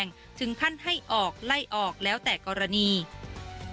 และก็ไม่ได้ยัดเยียดให้ทางครูส้มเซ็นสัญญา